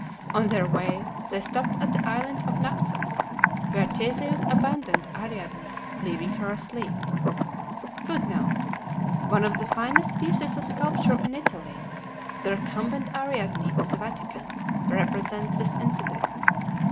On their way they stopped at the island of Naxos, where Theseus abandoned Ariadne, leaving her asleep. [Footnote: One of the finest pieces of sculpture in Italy, the recumbent Ariadne of the Vatican, represents this incident.